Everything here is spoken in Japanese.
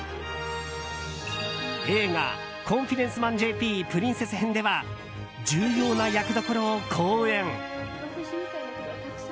映画「コンフィデンスマンＪＰプリンセス編」では重要な役どころを好演。